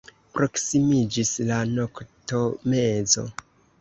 Proksimiĝis la noktomezo.